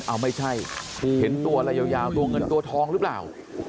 เอาไม่ใช่เห็นตัวอะไรยาวตัวเงินตัวทองหรือเปล่า